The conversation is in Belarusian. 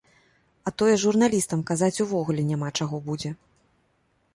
А тое журналістам казаць увогуле няма чаго будзе.